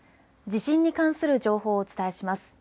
地震に関する情報をお伝えします。